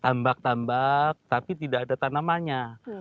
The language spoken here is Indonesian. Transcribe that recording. tambak tambak tapi tidak ada tanamannya